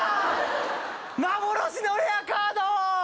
幻のレアカード！